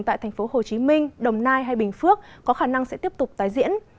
tại thành phố hồ chí minh đồng nai hay bình phước có khả năng sẽ tiếp tục tái diễn